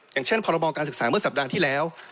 อย่างเช่นพรบการศึกษาเมื่อสัปดาห์ที่แล้ว